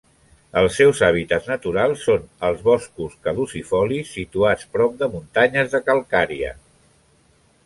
Els seus hàbitats naturals són els boscos caducifolis situats prop de muntanyes de calcària.